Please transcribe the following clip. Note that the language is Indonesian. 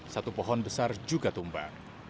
satu pohon besar juga tumbang